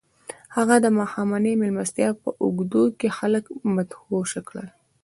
هغه د ماښامنۍ مېلمستیا په اوږدو کې خلک مدهوشه کړل